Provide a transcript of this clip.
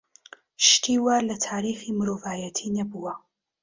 شتی وا لە تاریخی مرۆڤایەتی نەبووە.